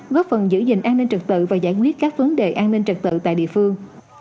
góp phần giữ gìn an ninh trực tự và giải quyết các vấn đề an ninh trật tự tại địa phương